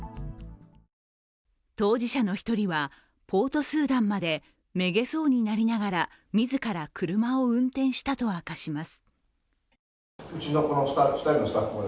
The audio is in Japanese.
当事者の１人はポートスーダンまでめげそうになりながら自ら車を運転したと明かします。